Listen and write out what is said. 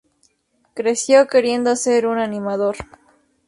Creció queriendo ser un animador.